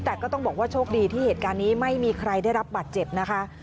แต่ก็ต้องบอกว่าโชคดีที่เหตุการณ์นี้ไม่มีใครได้รับบัตรเจ็บนะคะ